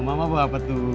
mama bapak tuh